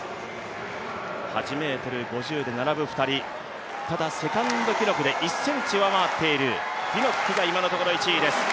８ｍ５０で並ぶ２人、ただセカンド記録で１ｃｍ上回っているピノックが今のところ１位です。